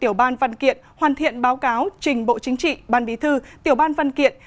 tiểu ban văn kiện hoàn thiện báo cáo trình bộ chính trị ban bí thư tiểu ban văn kiện